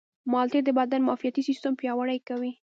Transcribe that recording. مالټې د بدن معافیتي سیستم پیاوړی کوي.